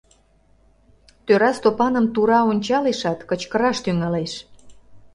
Тӧра Стопаным тура ончалешат, кычкыраш тӱҥалеш: